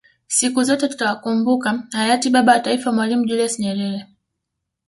Siku zote tutawakumbuka Hayati Baba wa taifa Mwalimu Julius Nyerere